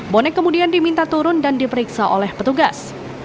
bonek kemudian diminta turun dan diperiksa oleh petugas